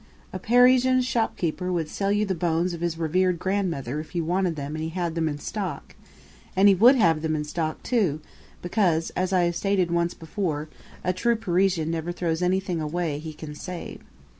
A Parisian shopkeeper would sell you the bones of his revered grandmother if you wanted them and he had them in stock; and he would have them in stock too, because, as I have stated once before, a true Parisian never throws away anything he can save.